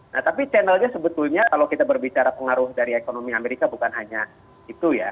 nah tapi channelnya sebetulnya kalau kita berbicara pengaruh dari ekonomi amerika bukan hanya itu ya